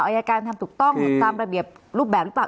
อายการทำถูกต้องตามระเบียบรูปแบบหรือเปล่า